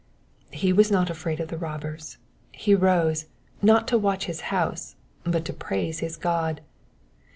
'*^ He was not afraid of the robbers; he rose, not to watch his house, but to praise his God.